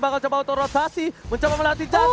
bakal coba auto rotasi mencoba melatih jungle